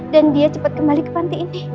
dan dia cepet kembali ke panti ini